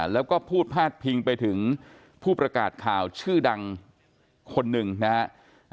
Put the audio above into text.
แล้วก็พูดพาดพิงไปถึงผู้ประกาศข่าวชื่อดังคนหนึ่งนะครับ